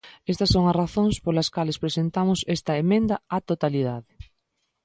Estas son as razóns polas cales presentamos esta emenda á totalidade.